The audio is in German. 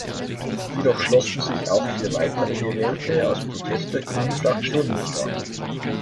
Jedoch schlossen sich auch vier weitere Gewählte aus Protest der Grünen-Fraktion nicht an.